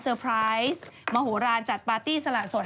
ไพรส์มโหลานจัดปาร์ตี้สละสด